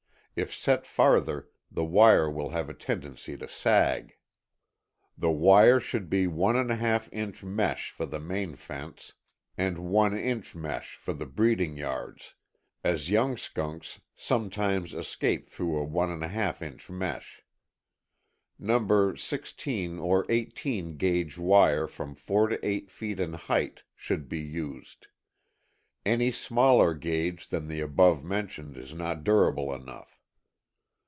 If set farther the wire will have a tendency to sag. The wire should be of one and a half inch mesh for the main fence, and one inch mesh for the breeding yards, as young skunks sometimes escape through a one and a half inch mesh. No. 16, or 18, gauge wire from four to eight feet in height should be used. Any smaller gauge than the above mentioned is not durable enough.